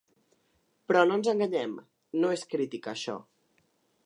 Però no ens enganyem, no es critica això.